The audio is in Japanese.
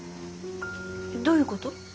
どういうこと？